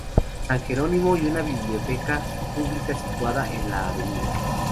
San Jerónimo y una biblioteca pública situada en la Av.